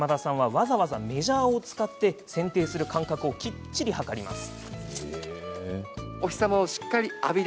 わざわざメジャーを使ってせんていする間隔をきっちり測ります。